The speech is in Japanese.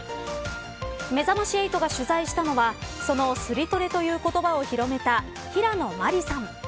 めざまし８が取材したのはそのスリトレという言葉を広めたヒラノマリさん。